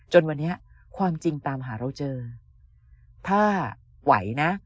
จนวันนี้ความจริงตามหาเราเจอถ้าไหวนะ